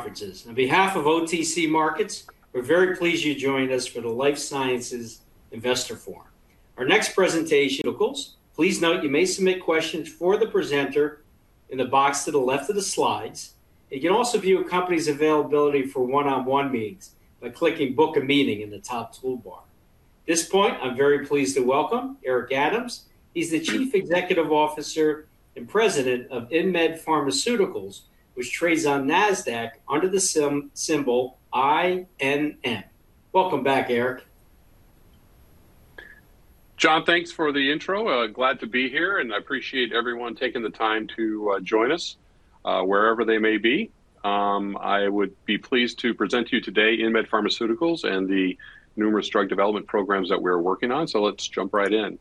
Conferences. On behalf of OTC Markets, we're very pleased you joined us for the Life Sciences Investor Forum. Our next presentation. Please note you may submit questions for the presenter in the box to the left of the slides. You can also view a company's availability for one-on-one meetings by clicking "Book a Meeting" in the top toolbar. At this point, I'm very pleased to welcome Eric Adams. He's the Chief Executive Officer and President of InMed Pharmaceuticals, which trades on NASDAQ under the symbol INM. Welcome back, Eric. John, thanks for the intro. Glad to be here, and I appreciate everyone taking the time to join us wherever they may be. I would be pleased to present to you today InMed Pharmaceuticals and the numerous drug development programs that we're working on, so let's jump right in.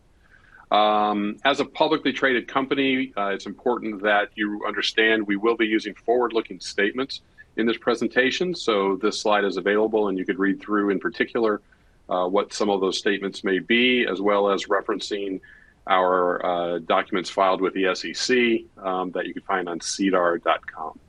As a publicly traded company, it's important that you understand we will be using forward-looking statements in this presentation, so this slide is available, and you could read through in particular what some of those statements may be, as well as referencing our documents filed with the SEC that you can find on EDGAR.com,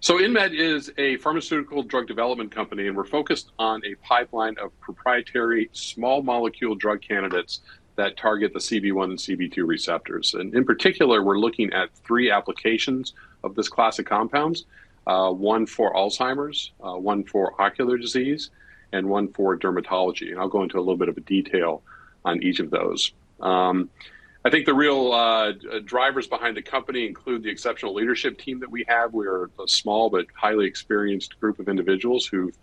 so InMed is a pharmaceutical drug development company, and we're focused on a pipeline of proprietary small molecule drug candidates that target the CB1 and CB2 receptors. In particular, we're looking at three applications of this class of compounds: one for Alzheimer's, one for ocular disease, and one for dermatology. I'll go into a little bit of detail on each of those. I think the real drivers behind the company include the exceptional leadership team that we have. We are a small but highly experienced group of individuals who've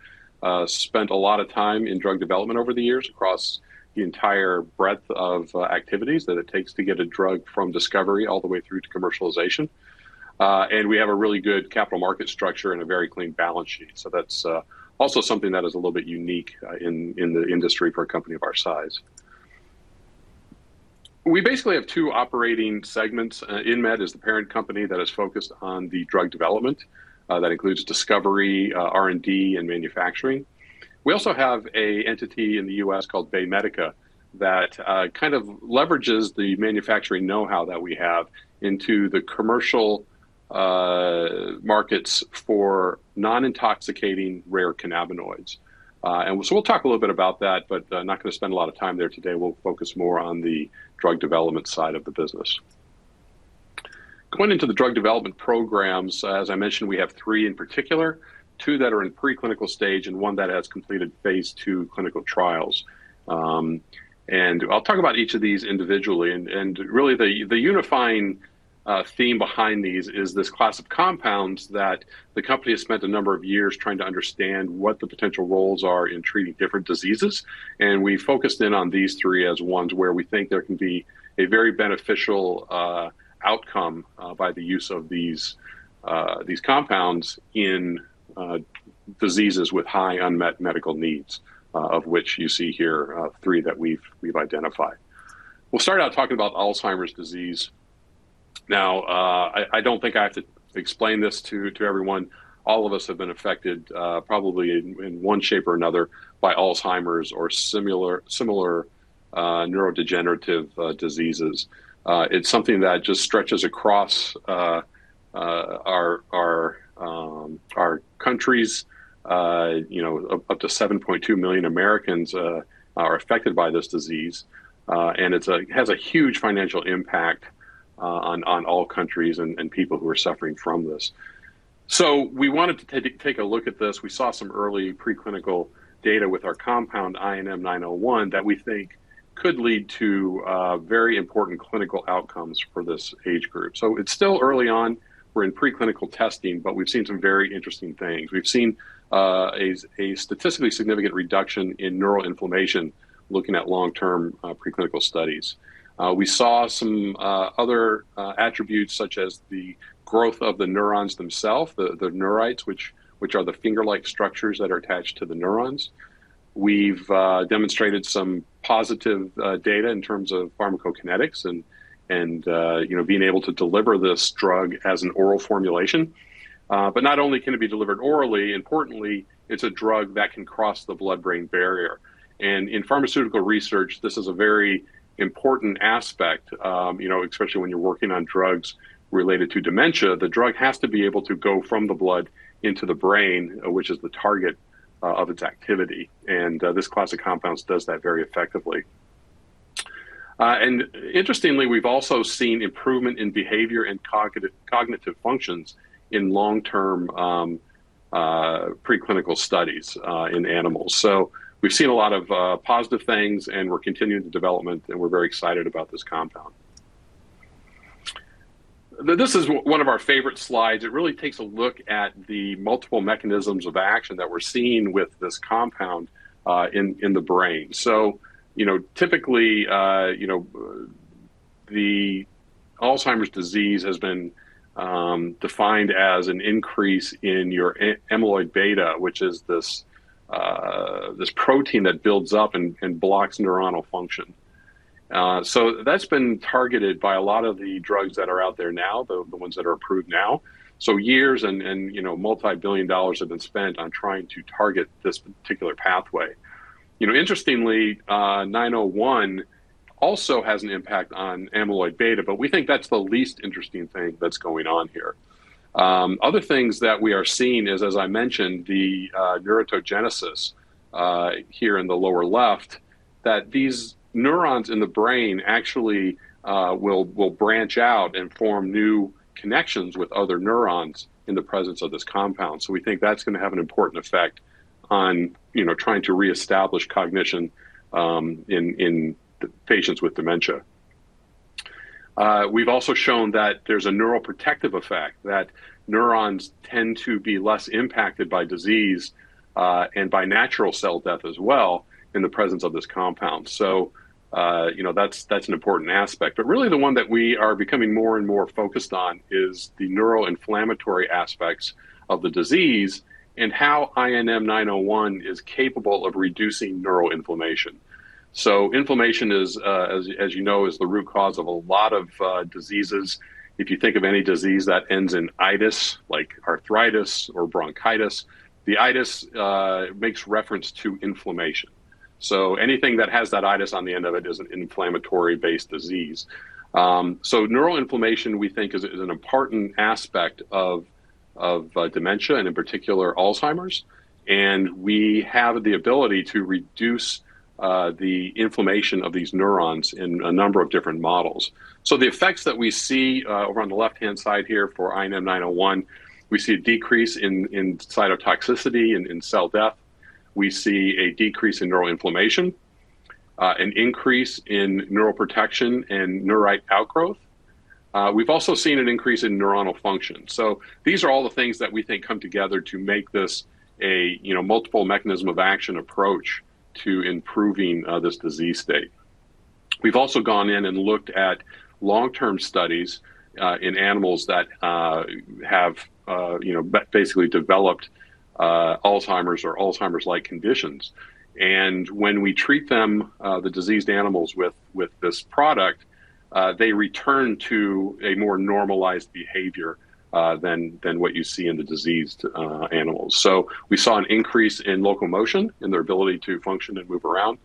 spent a lot of time in drug development over the years across the entire breadth of activities that it takes to get a drug from discovery all the way through to commercialization. We have a really good capital market structure and a very clean balance sheet. So that's also something that is a little bit unique in the industry for a company of our size. We basically have two operating segments. InMed is the parent company that is focused on the drug development. That includes discovery, R&D, and manufacturing. We also have an entity in the U.S. called BayMedica that kind of leverages the manufacturing know-how that we have into the commercial markets for non-intoxicating rare cannabinoids. And so we'll talk a little bit about that, but I'm not going to spend a lot of time there today. We'll focus more on the drug development side of the business. Going into the drug development programs, as I mentioned, we have three in particular: two that are in preclinical stage and one that has completed phase two clinical trials. And I'll talk about each of these individually. And really, the unifying theme behind these is this class of compounds that the company has spent a number of years trying to understand what the potential roles are in treating different diseases. We focused in on these three as ones where we think there can be a very beneficial outcome by the use of these compounds in diseases with high unmet medical needs, of which you see here three that we've identified. We'll start out talking about Alzheimer's disease. Now, I don't think I have to explain this to everyone. All of us have been affected probably in one shape or another by Alzheimer's or similar neurodegenerative diseases. It's something that just stretches across our countries. Up to 7.2 million Americans are affected by this disease. It has a huge financial impact on all countries and people who are suffering from this. We wanted to take a look at this. We saw some early preclinical data with our compound INM-901 that we think could lead to very important clinical outcomes for this age group. It's still early on. We're in preclinical testing, but we've seen some very interesting things. We've seen a statistically significant reduction in neuroinflammation looking at long-term preclinical studies. We saw some other attributes such as the growth of the neurons themselves, the neurites, which are the finger-like structures that are attached to the neurons. We've demonstrated some positive data in terms of pharmacokinetics and being able to deliver this drug as an oral formulation, but not only can it be delivered orally, importantly, it's a drug that can cross the blood-brain barrier, and in pharmaceutical research, this is a very important aspect, especially when you're working on drugs related to dementia. The drug has to be able to go from the blood into the brain, which is the target of its activity, and this class of compounds does that very effectively. Interestingly, we've also seen improvement in behavior and cognitive functions in long-term preclinical studies in animals. We've seen a lot of positive things, and we're continuing the development, and we're very excited about this compound. This is one of our favorite slides. It really takes a look at the multiple mechanisms of action that we're seeing with this compound in the brain. Typically, Alzheimer's disease has been defined as an increase in your amyloid beta, which is this protein that builds up and blocks neuronal function. That's been targeted by a lot of the drugs that are out there now, the ones that are approved now. Years and multi-billion dollars have been spent on trying to target this particular pathway. Interestingly, 901 also has an impact on amyloid beta, but we think that's the least interesting thing that's going on here. Other things that we are seeing is, as I mentioned, the neurogenesis here in the lower left, that these neurons in the brain actually will branch out and form new connections with other neurons in the presence of this compound. So we think that's going to have an important effect on trying to reestablish cognition in patients with dementia. We've also shown that there's a neuroprotective effect, that neurons tend to be less impacted by disease and by natural cell death as well in the presence of this compound. So that's an important aspect. But really, the one that we are becoming more and more focused on is the neuroinflammatory aspects of the disease and how INM-901 is capable of reducing neuroinflammation. So inflammation, as you know, is the root cause of a lot of diseases. If you think of any disease that ends in itis, like arthritis or bronchitis, the itis makes reference to inflammation. So anything that has that itis on the end of it is an inflammatory-based disease, so neuroinflammation, we think, is an important aspect of dementia and in particular Alzheimer's, and we have the ability to reduce the inflammation of these neurons in a number of different models, so the effects that we see over on the left-hand side here for INM-901, we see a decrease in cytotoxicity and in cell death. We see a decrease in neuroinflammation, an increase in neuroprotection and neurite outgrowth. We've also seen an increase in neuronal function. So these are all the things that we think come together to make this a multiple mechanism of action approach to improving this disease state. We've also gone in and looked at long-term studies in animals that have basically developed Alzheimer's or Alzheimer's-like conditions, and when we treat the diseased animals with this product, they return to a more normalized behavior than what you see in the diseased animals, so we saw an increase in locomotion and their ability to function and move around,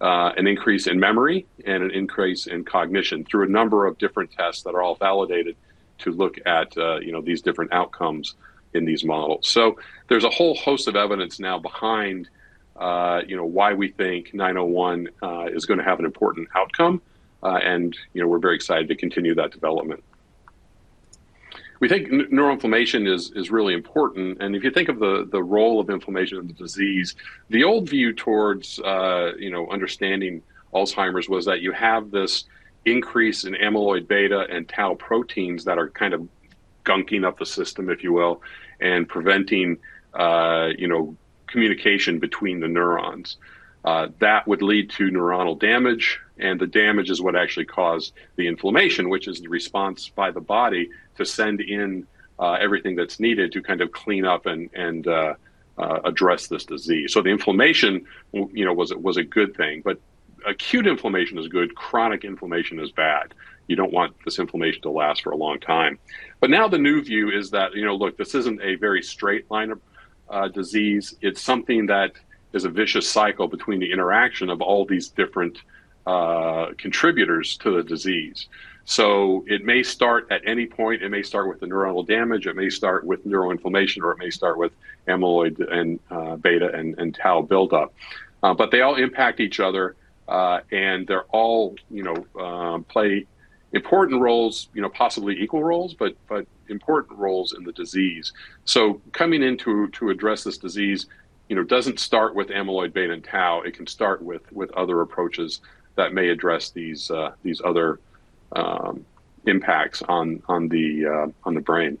an increase in memory, and an increase in cognition through a number of different tests that are all validated to look at these different outcomes in these models, so there's a whole host of evidence now behind why we think 901 is going to have an important outcome, and we're very excited to continue that development. We think neuroinflammation is really important. If you think of the role of inflammation in the disease, the old view towards understanding Alzheimer's was that you have this increase in amyloid beta and tau proteins that are kind of gunking up the system, if you will, and preventing communication between the neurons. That would lead to neuronal damage. The damage is what actually caused the inflammation, which is the response by the body to send in everything that's needed to kind of clean up and address this disease. The inflammation was a good thing. Acute inflammation is good. Chronic inflammation is bad. You don't want this inflammation to last for a long time. Now the new view is that, look, this isn't a very straight line of disease. It's something that is a vicious cycle between the interaction of all these different contributors to the disease. So it may start at any point. It may start with the neuronal damage. It may start with neuroinflammation, or it may start with amyloid beta and tau buildup. But they all impact each other. And they all play important roles, possibly equal roles, but important roles in the disease. So coming in to address this disease doesn't start with amyloid beta and tau. It can start with other approaches that may address these other impacts on the brain.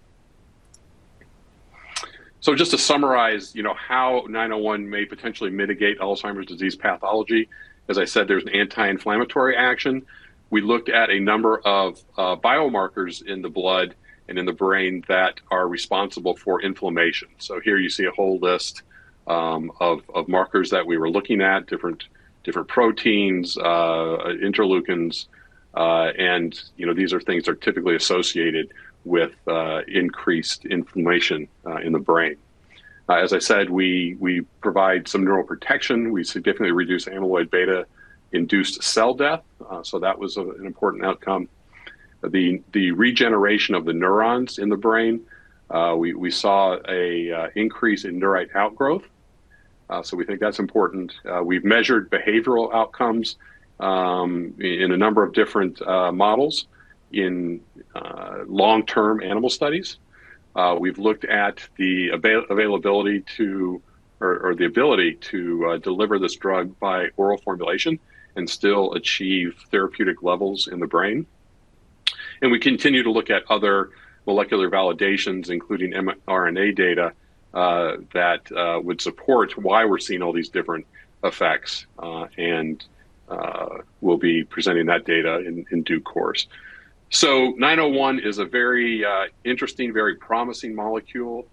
So just to summarize how 901 may potentially mitigate Alzheimer's disease pathology, as I said, there's an anti-inflammatory action. We looked at a number of biomarkers in the blood and in the brain that are responsible for inflammation. So here you see a whole list of markers that we were looking at, different proteins, interleukins. And these are things that are typically associated with increased inflammation in the brain. As I said, we provide some neuroprotection. We significantly reduce amyloid beta-induced cell death, so that was an important outcome. The regeneration of the neurons in the brain, we saw an increase in neurite outgrowth, so we think that's important. We've measured behavioral outcomes in a number of different models in long-term animal studies. We've looked at the availability or the ability to deliver this drug by oral formulation and still achieve therapeutic levels in the brain, and we continue to look at other molecular validations, including mRNA data, that would support why we're seeing all these different effects, and we'll be presenting that data in due course, so INM-901 is a very interesting, very promising molecule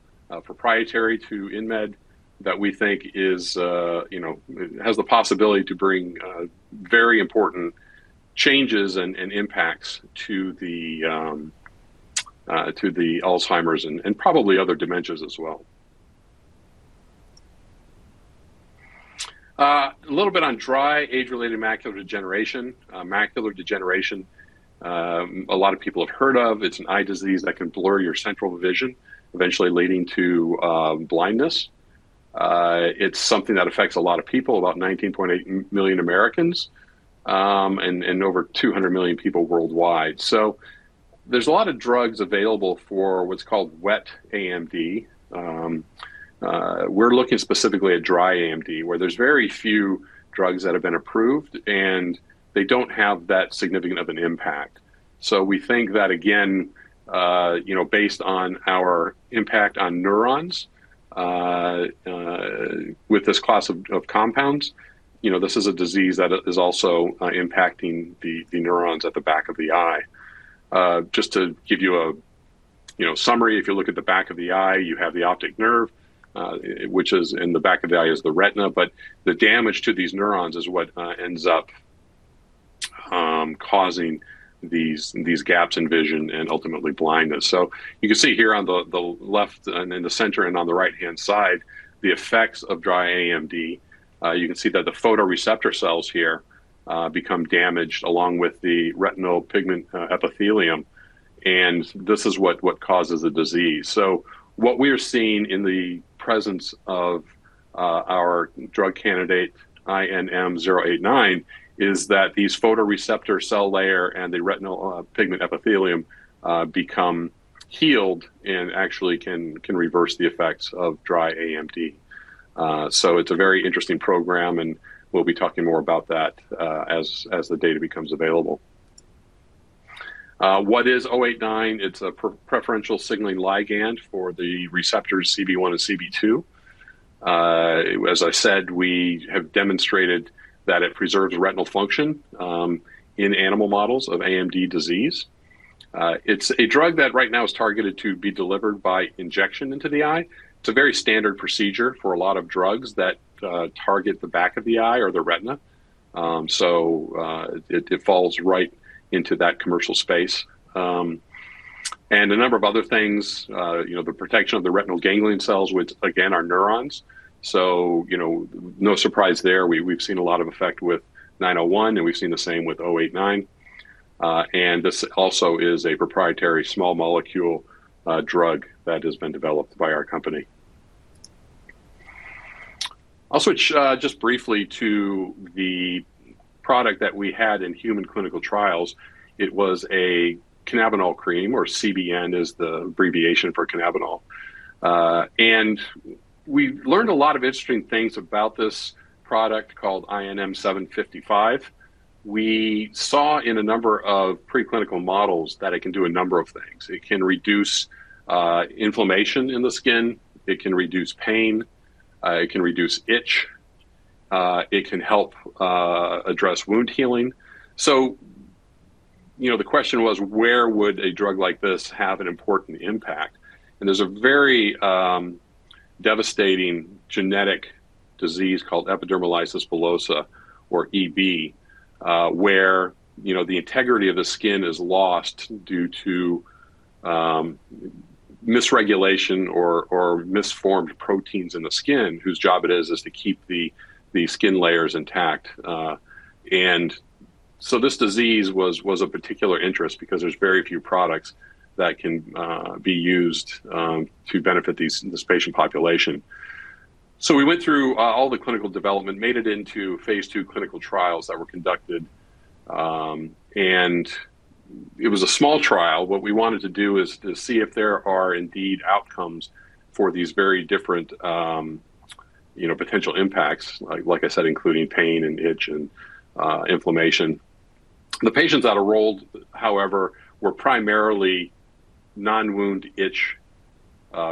proprietary to InMed that we think has the possibility to bring very important changes and impacts to the Alzheimer's and probably other dementias as well. A little bit on dry age-related macular degeneration. Macular degeneration, a lot of people have heard of. It's an eye disease that can blur your central vision, eventually leading to blindness. It's something that affects a lot of people, about 19.8 million Americans and over 200 million people worldwide, so there's a lot of drugs available for what's called wet AMD. We're looking specifically at dry AMD, where there's very few drugs that have been approved, and they don't have that significant of an impact, so we think that, again, based on our impact on neurons with this class of compounds, this is a disease that is also impacting the neurons at the back of the eye. Just to give you a summary, if you look at the back of the eye, you have the optic nerve, which is in the back of the eye, is the retina. But the damage to these neurons is what ends up causing these gaps in vision and ultimately blindness. So you can see here on the left and in the center and on the right-hand side, the effects of dry AMD. You can see that the photoreceptor cells here become damaged along with the retinal pigment epithelium. And this is what causes the disease. So what we are seeing in the presence of our drug candidate INM-089 is that these photoreceptor cell layer and the retinal pigment epithelium become healed and actually can reverse the effects of dry AMD. So it's a very interesting program. And we'll be talking more about that as the data becomes available. What is 089? It's a preferential signaling ligand for the receptors CB1 and CB2. As I said, we have demonstrated that it preserves retinal function in animal models of AMD disease. It's a drug that right now is targeted to be delivered by injection into the eye. It's a very standard procedure for a lot of drugs that target the back of the eye or the retina. So it falls right into that commercial space. And a number of other things, the protection of the retinal ganglion cells, which, again, are neurons. So no surprise there. We've seen a lot of effect with 901, and we've seen the same with 089. And this also is a proprietary small molecule drug that has been developed by our company. I'll switch just briefly to the product that we had in human clinical trials. It was a cannabinol cream, or CBN is the abbreviation for cannabinol. And we learned a lot of interesting things about this product called INM-755. We saw in a number of preclinical models that it can do a number of things. It can reduce inflammation in the skin. It can reduce pain. It can reduce itch. It can help address wound healing. So the question was, where would a drug like this have an important impact? And there's a very devastating genetic disease called epidermolysis bullosa, or EB, where the integrity of the skin is lost due to misregulation or misformed proteins in the skin, whose job it is to keep the skin layers intact. And so this disease was of particular interest because there's very few products that can be used to benefit this patient population. So we went through all the clinical development, made it into phase two clinical trials that were conducted. And it was a small trial. What we wanted to do is to see if there are indeed outcomes for these very different potential impacts, like I said, including pain and itch and inflammation. The patients that are enrolled, however, were primarily non-wound itch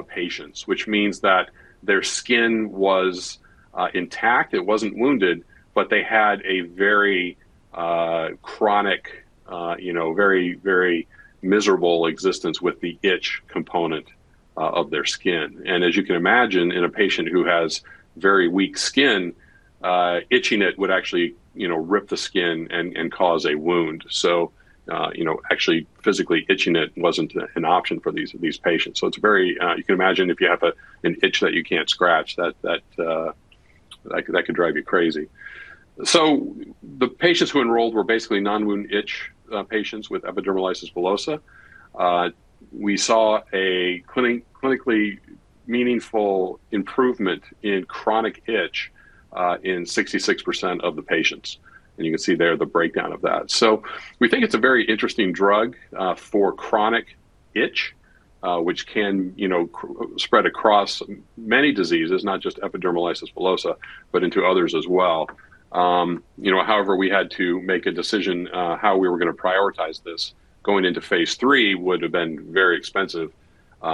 patients, which means that their skin was intact. It wasn't wounded, but they had a very chronic, very, very miserable existence with the itch component of their skin. And as you can imagine, in a patient who has very weak skin, itching it would actually rip the skin and cause a wound. So actually, physically itching it wasn't an option for these patients. So you can imagine if you have an itch that you can't scratch, that could drive you crazy. So the patients who enrolled were basically non-wound itch patients with epidermolysis bullosa. We saw a clinically meaningful improvement in chronic itch in 66% of the patients. And you can see there the breakdown of that. So we think it's a very interesting drug for chronic itch, which can spread across many diseases, not just epidermolysis bullosa, but into others as well. However, we had to make a decision how we were going to prioritize this. Going into phase three would have been very expensive.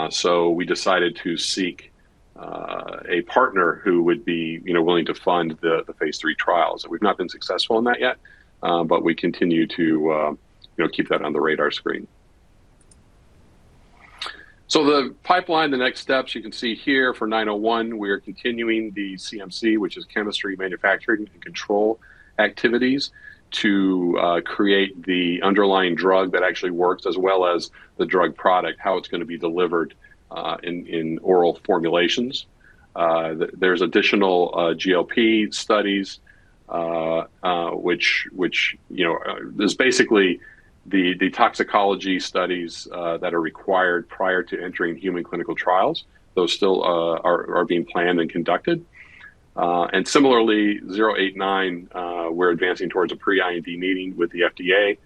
So we decided to seek a partner who would be willing to fund the phase three trials. We've not been successful in that yet, but we continue to keep that on the radar screen. So the pipeline, the next steps, you can see here for 901, we are continuing the CMC, which is chemistry manufacturing and controls activities, to create the underlying drug that actually works as well as the drug product, how it's going to be delivered in oral formulations. There's additional GLP studies, which is basically the toxicology studies that are required prior to entering human clinical trials. Those still are being planned and conducted, and similarly, INM-089, we're advancing towards a pre-IND meeting with the FDA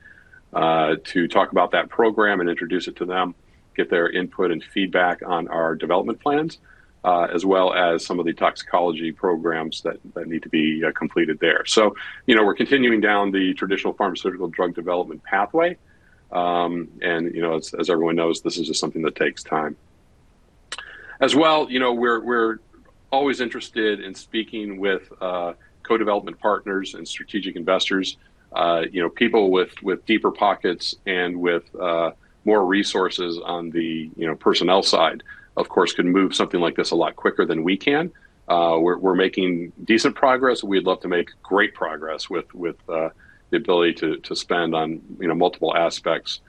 to talk about that program and introduce it to them, get their input and feedback on our development plans, as well as some of the toxicology programs that need to be completed there, so we're continuing down the traditional pharmaceutical drug development pathway, and as everyone knows, this is just something that takes time, as well, we're always interested in speaking with co-development partners and strategic investors, people with deeper pockets and with more resources on the personnel side. Of course, could move something like this a lot quicker than we can. We're making decent progress. We'd love to make great progress with the ability to spend on multiple aspects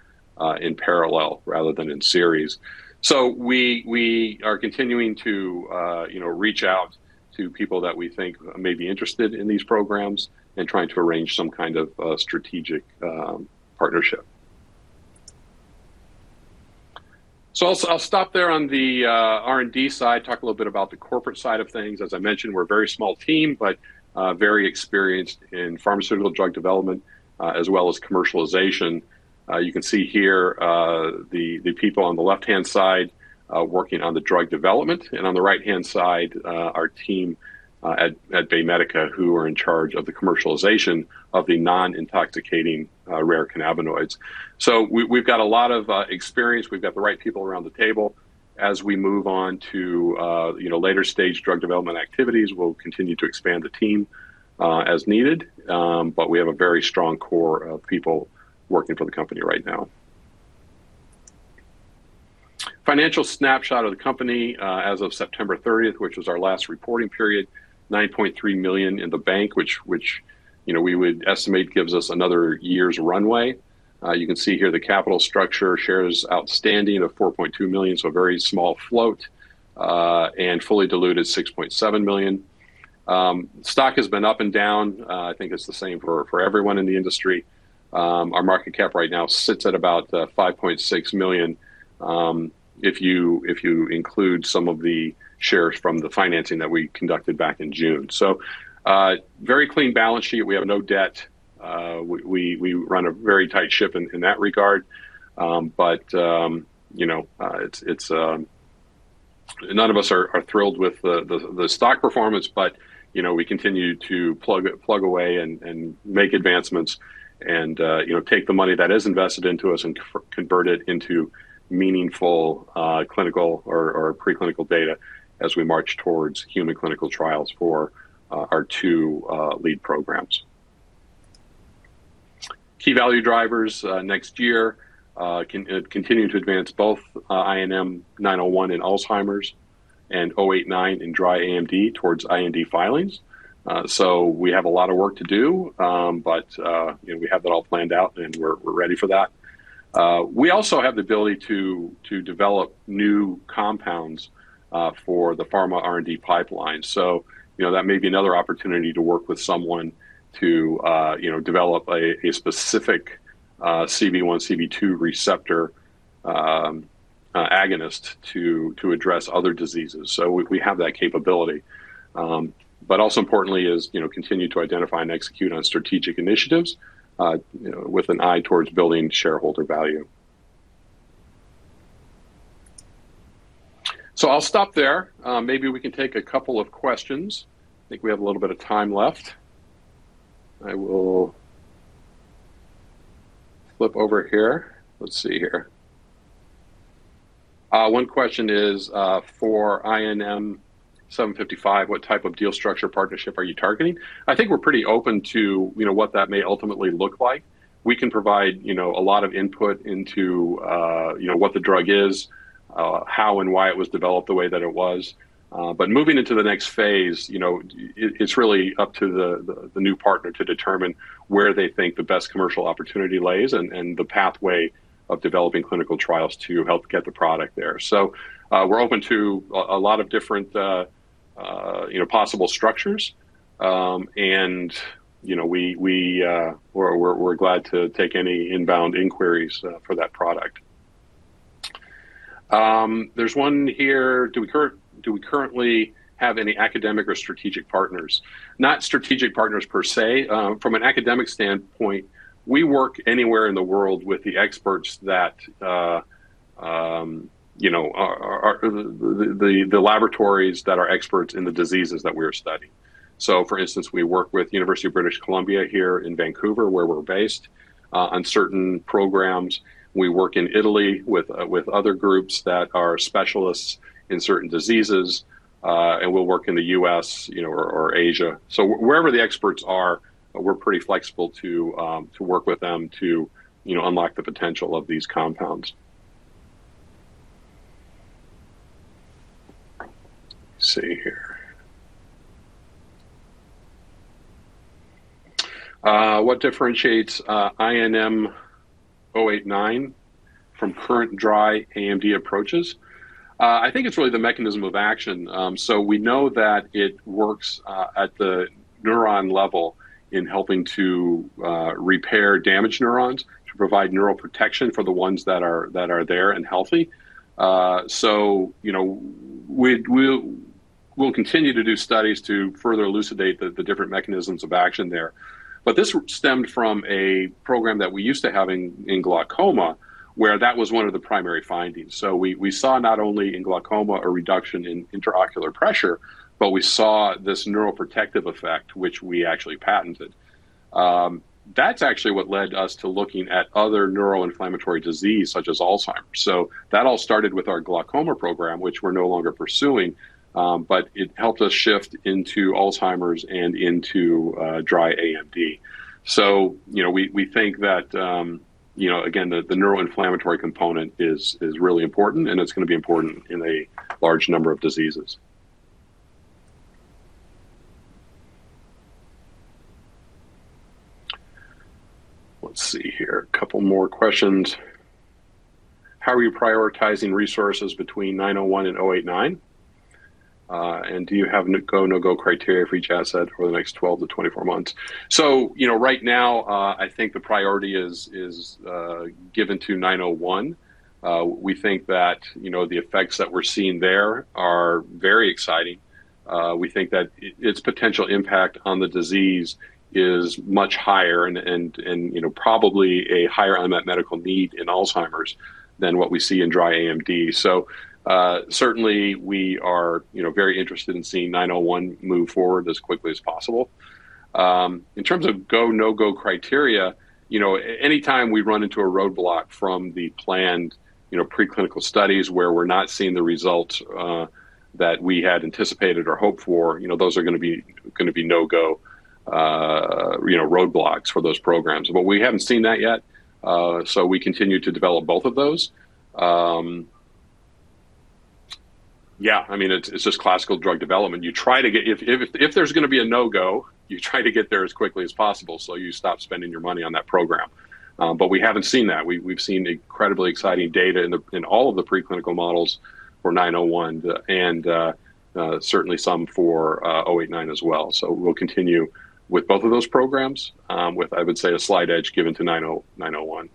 in parallel rather than in series. So we are continuing to reach out to people that we think may be interested in these programs and trying to arrange some kind of strategic partnership. So I'll stop there on the R&D side, talk a little bit about the corporate side of things. As I mentioned, we're a very small team, but very experienced in pharmaceutical drug development as well as commercialization. You can see here the people on the left-hand side working on the drug development, and on the right-hand side, our team at BayMedica, who are in charge of the commercialization of the non-intoxicating rare cannabinoids. So we've got a lot of experience. We've got the right people around the table. As we move on to later stage drug development activities, we'll continue to expand the team as needed. But we have a very strong core of people working for the company right now. Financial snapshot of the company as of September 30th, which was our last reporting period: $9.3 million in the bank, which we would estimate gives us another year's runway. You can see here the capital structure: shares outstanding of 4.2 million, so a very small float, and fully diluted 6.7 million. Stock has been up and down. I think it's the same for everyone in the industry. Our market cap right now sits at about $5.6 million if you include some of the shares from the financing that we conducted back in June. So very clean balance sheet. We have no debt. We run a very tight ship in that regard. But none of us are thrilled with the stock performance, but we continue to plug away and make advancements and take the money that is invested into us and convert it into meaningful clinical or preclinical data as we march towards human clinical trials for our two lead programs. Key value drivers next year continue to advance both INM-901 in Alzheimer's and INM-089 in dry AMD towards IND filings. So we have a lot of work to do, but we have that all planned out, and we're ready for that. We also have the ability to develop new compounds for the pharma R&D pipeline. So that may be another opportunity to work with someone to develop a specific CB1, CB2 receptor agonist to address other diseases. So we have that capability. But also importantly is continue to identify and execute on strategic initiatives with an eye towards building shareholder value. So I'll stop there. Maybe we can take a couple of questions. I think we have a little bit of time left. I will flip over here. Let's see here. One question is for INM-755, what type of deal structure partnership are you targeting? I think we're pretty open to what that may ultimately look like. We can provide a lot of input into what the drug is, how and why it was developed the way that it was. But moving into the next phase, it's really up to the new partner to determine where they think the best commercial opportunity lies and the pathway of developing clinical trials to help get the product there. So we're open to a lot of different possible structures. And we're glad to take any inbound inquiries for that product. There's one here. Do we currently have any academic or strategic partners? Not strategic partners per se. From an academic standpoint, we work anywhere in the world with the experts that the laboratories that are experts in the diseases that we are studying. So for instance, we work with University of British Columbia here in Vancouver, where we're based, on certain programs. We work in Italy with other groups that are specialists in certain diseases. And we'll work in the U.S. or Asia. So wherever the experts are, we're pretty flexible to work with them to unlock the potential of these compounds. Let's see here. What differentiates INM-089 from current dry AMD approaches? I think it's really the mechanism of action. So we know that it works at the neuron level in helping to repair damaged neurons to provide neural protection for the ones that are there and healthy. So we'll continue to do studies to further elucidate the different mechanisms of action there. But this stemmed from a program that we used to have in glaucoma, where that was one of the primary findings. So we saw not only in glaucoma a reduction in intraocular pressure, but we saw this neuroprotective effect, which we actually patented. That's actually what led us to looking at other neuroinflammatory disease, such as Alzheimer's. So that all started with our glaucoma program, which we're no longer pursuing, but it helped us shift into Alzheimer's and into dry AMD. So we think that, again, the neuroinflammatory component is really important, and it's going to be important in a large number of diseases. Let's see here. A couple more questions. How are you prioritizing resources between 901 and 089? Do you have a no-go criteria for each asset for the next 12-24 months? So right now, I think the priority is given to 901. We think that the effects that we're seeing there are very exciting. We think that its potential impact on the disease is much higher and probably a higher unmet medical need in Alzheimer's than what we see in dry AMD. So certainly, we are very interested in seeing 901 move forward as quickly as possible. In terms of go/no-go criteria, anytime we run into a roadblock from the planned preclinical studies where we're not seeing the results that we had anticipated or hoped for, those are going to be no-go roadblocks for those programs. But we haven't seen that yet. So we continue to develop both of those. Yeah. I mean, it's just classical drug development. If there's going to be a no-go, you try to get there as quickly as possible so you stop spending your money on that program. But we haven't seen that. We've seen incredibly exciting data in all of the preclinical models for 901 and certainly some for 089 as well. So we'll continue with both of those programs, with, I would say, a slight edge given to 901.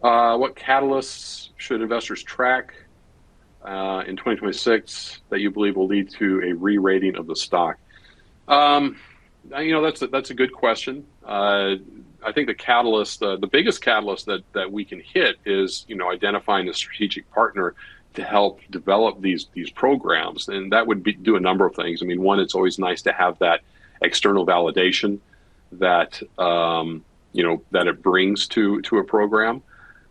What catalysts should investors track in 2026 that you believe will lead to a re-rating of the stock? That's a good question. I think the biggest catalyst that we can hit is identifying the strategic partner to help develop these programs. And that would do a number of things. I mean, one, it's always nice to have that external validation that it brings to a program.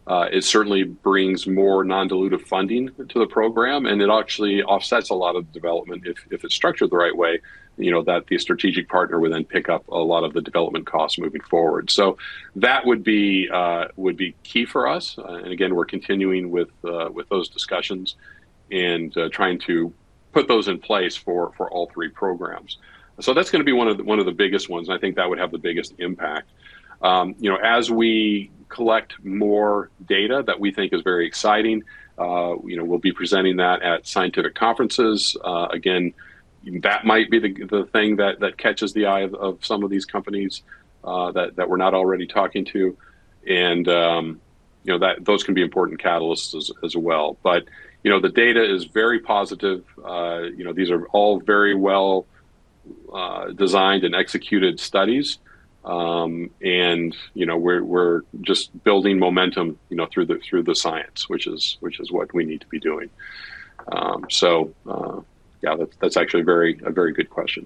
It certainly brings more non-dilutive funding to the program, and it actually offsets a lot of development if it's structured the right way, that the strategic partner would then pick up a lot of the development costs moving forward, so that would be key for us, and again, we're continuing with those discussions and trying to put those in place for all three programs, so that's going to be one of the biggest ones, and I think that would have the biggest impact. As we collect more data that we think is very exciting, we'll be presenting that at scientific conferences. Again, that might be the thing that catches the eye of some of these companies that we're not already talking to, and those can be important catalysts as well, but the data is very positive. These are all very well-designed and executed studies. And we're just building momentum through the science, which is what we need to be doing. So yeah, that's actually a very good question.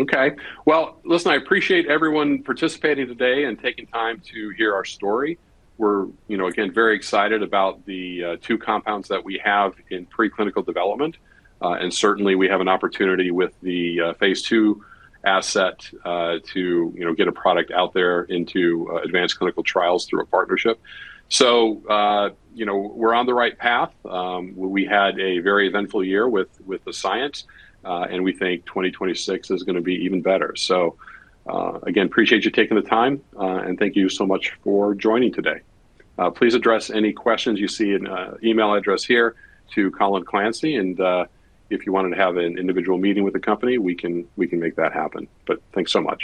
Okay. Well, listen, I appreciate everyone participating today and taking time to hear our story. We're, again, very excited about the two compounds that we have in preclinical development. And certainly, we have an opportunity with the phase two asset to get a product out there into advanced clinical trials through a partnership. So we're on the right path. We had a very eventful year with the science, and we think 2026 is going to be even better. So again, appreciate you taking the time. And thank you so much for joining today. Please address any questions you see in the email address here to Colin Clancy. And if you wanted to have an individual meeting with the company, we can make that happen. Thanks so much.